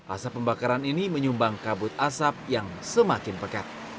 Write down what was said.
asap pembakaran ini menyumbang kabut asap yang semakin pekat